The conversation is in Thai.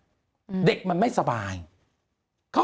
คุณหนุ่มกัญชัยได้เล่าใหญ่ใจความไปสักส่วนใหญ่แล้ว